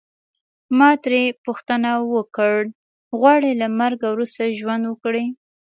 ما ترې پوښتنه وکړل غواړې له مرګه وروسته ژوند وکړې.